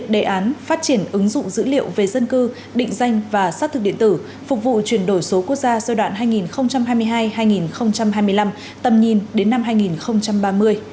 đề án phát triển ứng dụng dữ liệu về dân cư định danh và xác thực điện tử phục vụ chuyển đổi số quốc gia giai đoạn hai nghìn hai mươi hai hai nghìn hai mươi năm tầm nhìn đến năm hai nghìn ba mươi